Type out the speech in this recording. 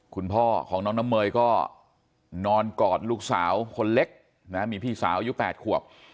คุณพ่อของน้องน้ำเมยก็นอนกอดลูกสาวคนเล็กนะมีพี่สาวอายุ๘ขวบ